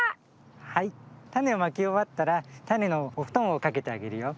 はいたねをまきおわったらたねのおふとんをかけてあげるよ。